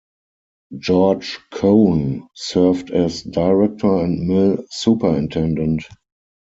George Cone served as director and mill superintendent.